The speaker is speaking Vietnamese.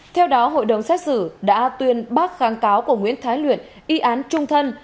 theo đó hội đồng xét xử đã tuyên bác kháng cáo của nguyễn thái luyện y án trung thân